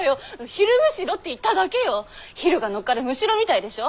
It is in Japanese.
ヒルが乗っかるむしろみたいでしょ？